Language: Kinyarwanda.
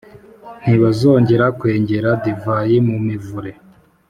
Ntibazongera kwengera divayi mu mivure,